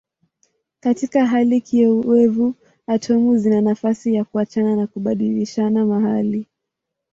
Katika hali kiowevu atomu zina nafasi ya kuachana na kubadilishana mahali.